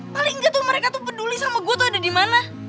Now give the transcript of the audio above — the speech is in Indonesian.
paling nggak tuh mereka tuh peduli sama gue tuh ada di mana